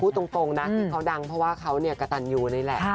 ตรงนะที่เขาดังเพราะว่าเขาเนี่ยกระตันยูนี่แหละ